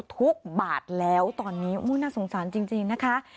ทุกบาทแล้วตอนนี้น่าสงสารจริงนะคะ